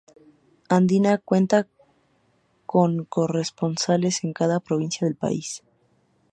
Andina cuenta con corresponsales en cada provincia del país.